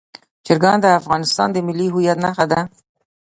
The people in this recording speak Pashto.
چرګان د افغانستان د ملي هویت نښه ده.